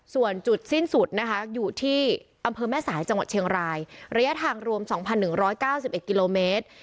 ส่วนจุดสิ้นสุดนะคะอยู่ที่อำเภอแม่สายจังหวัดเชียงรายระยะทางรวม๒๑๙๑กิโลเมตร